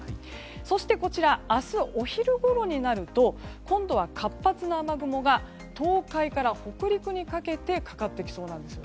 そして明日お昼ごろになると今度は活発な雨雲が東海から北陸にかけてかかってきそうなんです。